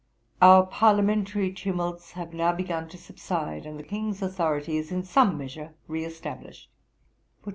'Our parliamentary tumults have now begun to subside, and the King's authority is in some measure re established.